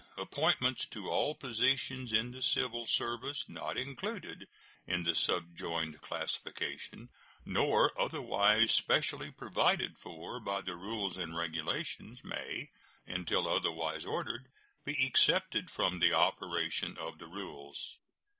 Appointments to all positions in the civil service not included in the subjoined classification, nor otherwise specially provided for by the rules and regulations, may, until otherwise ordered, be excepted from the operation of the rules.